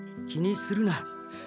気にするな。